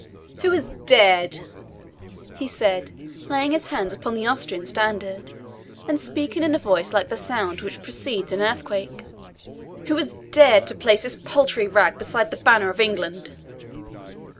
"Who has dared," he said, laying his hands upon the Austrian standard, and speaking in a voice like the sound which precedes an earthquake "Who has dared to place this paltry rag beside the banner of England?"